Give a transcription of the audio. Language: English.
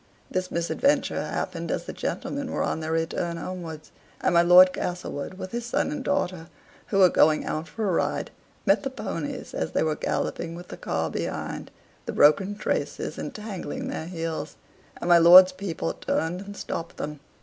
This misadventure happened as the gentlemen were on their return homewards; and my Lord Castlewood, with his son and daughter, who were going out for a ride, met the ponies as they were galloping with the car behind, the broken traces entangling their heels, and my lord's people turned and stopped them.